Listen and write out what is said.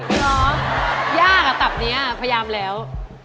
เหรอยากอะตับนี้พยายามแล้ว